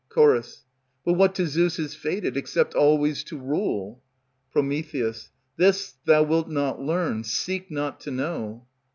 Ch. But what to Zeus is fated, except always to rule? Pr. This thou wilt not learn; seek not to know.